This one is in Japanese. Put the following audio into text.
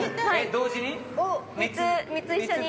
同時に？